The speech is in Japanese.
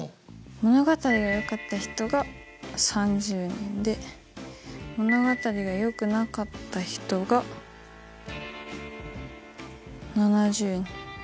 物語がよかった人が３０人で物語がよくなかった人が７０人。